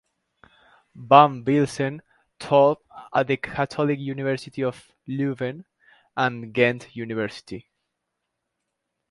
Van Bilsen taught at the Catholic University of Leuven and Ghent University.